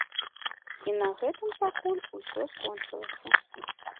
І на гэтым пакуль усё скончылася.